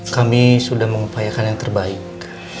kami sudah mengupayakan yang terbaik